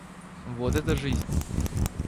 Вот это жизнь!